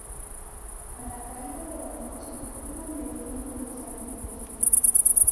A la caída de la noche iban venciendo los argivos.